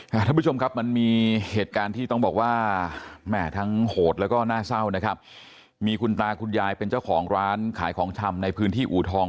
ท่านผู้ชมครับมันมีเหตุการณ์ที่ต้องบอกว่าแม่ทั้งโหดแล้วก็น่าเศร้านะครับมีคุณตาคุณยายเป็นเจ้าของร้านขายของชำในพื้นที่อูทอง